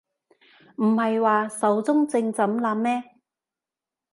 唔係話壽終正寢喇咩